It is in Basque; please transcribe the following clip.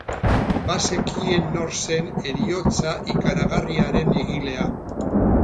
Bazekien nor zen heriotza ikaragarri haren egilea.